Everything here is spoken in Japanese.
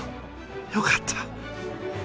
よかった。